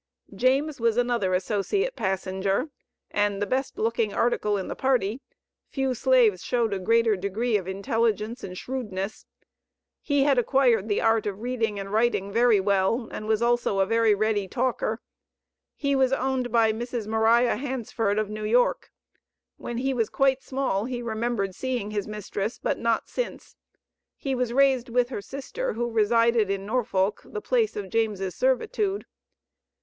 James was another associate passenger, and the best looking "article" in the party; few slaves showed a greater degree of intelligence and shrewdness. He had acquired the art of reading and writing very well, and was also a very ready talker. He was owned by Mrs. Maria Hansford of New York. When he was quite small he remembered seeing his mistress, but not since. He was raised with her sister, who resided in Norfolk, the place of James' servitude.